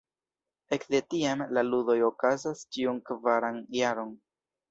Ekde tiam, la ludoj okazas ĉiun kvaran jaron.